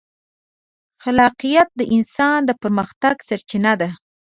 خلاقیت د انسان د پرمختګ سرچینه ده.